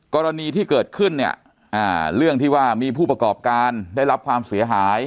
กรณีที่เกิดขึ้นเนี่ยเรื่องที่ว่ามีผู้ประกอบการได้รับความเสียหาย